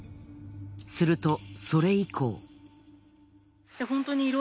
するとそれ以降。